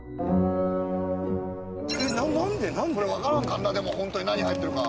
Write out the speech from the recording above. これわからんからなでもホントに何が入ってるか。